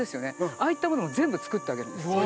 ああいったものを全部造ってあげるんです。